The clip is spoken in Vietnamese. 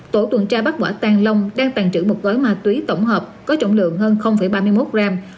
tổ tuần tra bắt quả tàng long đang tàn trữ một gói ma túy tổng hợp có trọng lượng hơn ba mươi một gram